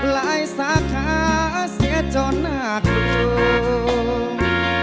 หลายสาขาเสียจนหนักลง